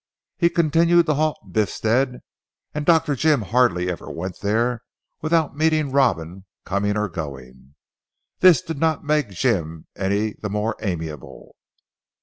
He continued to haunt Biffstead and Dr. Jim hardly ever went there without meeting Robin coming or going. This did not make Jim any the more amiable.